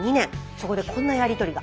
そこでこんなやり取りが。